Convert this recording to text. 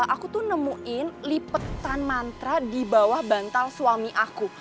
aku tuh nemuin lipetan mantra di bawah bantal suami aku